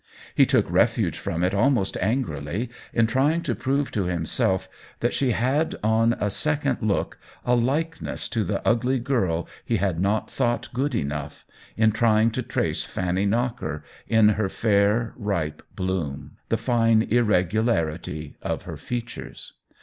He took refuge from it almost angrily in trying to prove to himself that she had, on a second look, a likeness to the ugly girl he had not thought good enough — in trying to trace Fanny Knocker in her fair, 6o THE WHEEL OF TIME ripe bloom, the fine irregularity of her feat ures.